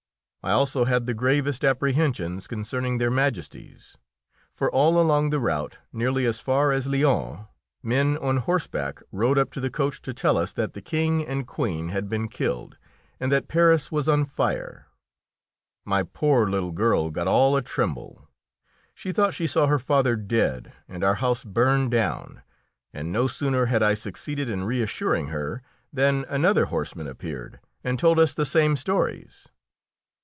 I also had the gravest apprehensions concerning Their Majesties, for all along the route, nearly as far as Lyons, men on horseback rode up to the coach to tell us that the King and Queen had been killed and that Paris was on fire. My poor little girl got all a tremble; she thought she saw her father dead and our house burned down, and no sooner had I succeeded in reassuring her than another horseman appeared and told us the same stories.